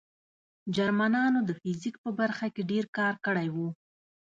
جرمنانو د فزیک په برخه کې ډېر کار کړی و